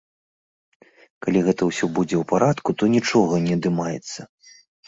Калі гэта ўсё будзе ў парадку, то нічога не адымаецца.